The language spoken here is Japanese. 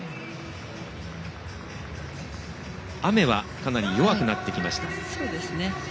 雨はかなり弱くなってきました。